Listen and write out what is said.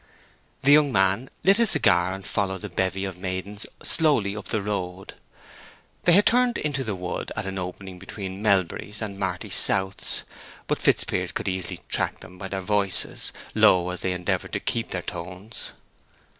The young man lit a cigar and followed the bevy of maidens slowly up the road. They had turned into the wood at an opening between Melbury's and Marty South's; but Fitzpiers could easily track them by their voices, low as they endeavored to keep their tones.